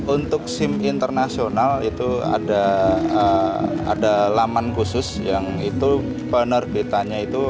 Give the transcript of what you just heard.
untuk sim internasional itu ada laman khusus yang itu penerbitannya itu